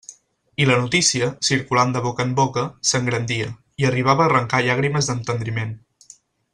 I la notícia, circulant de boca en boca, s'engrandia, i arribava a arrancar llàgrimes d'entendriment.